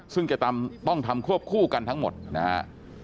ซึ่งจะต้องทำควบคู่กันทั้งหมดนะฮะ